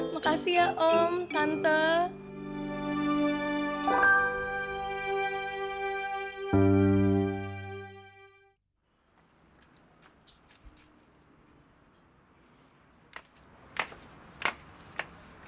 makasih ya om tante